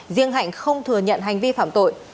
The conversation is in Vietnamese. riêng hạnh không thừa nhận hành vi phạm tội